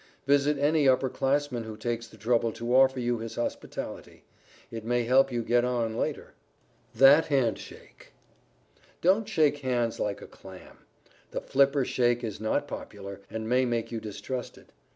Visit any upper classman who takes the trouble to offer you his hospitality. It may help you to get on, later. [Sidenote: THAT HAND SHAKE] Don't shake hands like a clam. The flipper shake is not popular, and may make you distrusted.